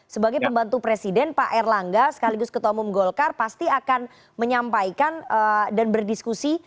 sebagai pembantu presiden pak erlangga sekaligus ketua umum golkar pasti akan menyampaikan dan berdiskusi